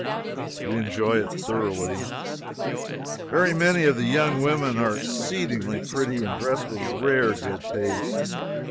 We enjoy it thoroughly. Very many of the young women are exceedingly pretty and dress with rare good taste.